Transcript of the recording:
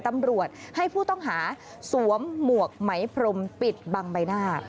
ตำรวจให้ผู้ต้องหาสวมหมวกไหมพรมปิดบังใบหน้า